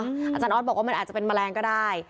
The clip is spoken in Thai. อาจารย์ออสบอกว่ามันอาจจะเป็นแมลงก็ได้